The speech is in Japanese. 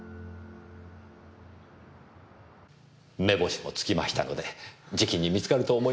目星もつきましたのでじきに見つかると思います。